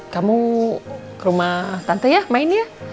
kamu ke rumah tante ya main ya